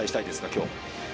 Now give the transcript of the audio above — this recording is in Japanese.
今日。